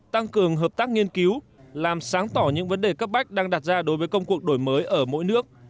tăng cường hợp tác nghiên cứu làm sáng tỏ những vấn đề cấp bách đang đặt ra đối với công cuộc đổi mới ở mỗi nước